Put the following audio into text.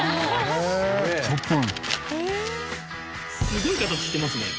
すごい形してますね。